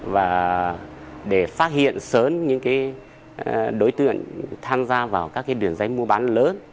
và để phát hiện sớm những đối tượng tham gia vào các đường dây mua bán lớn